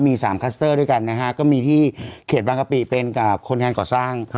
มี๓คลัสเตอร์ด้วยกันนะฮะก็มีที่เขตบางกะปิเป็นกับคนงานก่อสร้าง